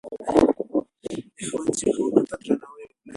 د ښوونځي ښوونکو ته درناوی وکړئ.